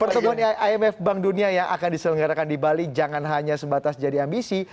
pertemuan imf bank dunia yang akan diselenggarakan di bali jangan hanya sebatas jadi ambisi